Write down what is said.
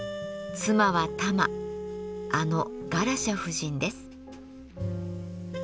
妻は玉あのガラシャ夫人です。